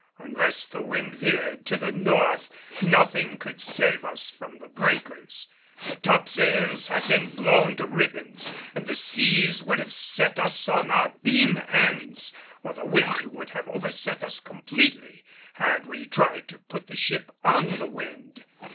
Unless the wind veered to the north, nothing could save us from the breakers. The topsails had been blown to ribbons and the seas would have set us on our beam ends or the wind would have overset us completely had we tried to put the ship on the wind.